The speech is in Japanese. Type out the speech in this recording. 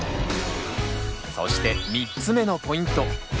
そして３つ目のポイント。